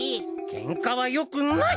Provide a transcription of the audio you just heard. ケンカはよくない！